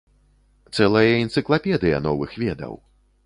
Цэлая энцыклапедыя новых ведаў.